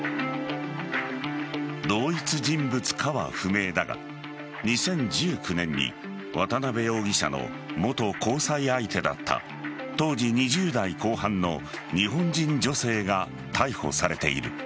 同一人物かは不明だが２０１９年に渡辺容疑者の元交際相手だった当時２０代後半の日本人女性が逮捕されている。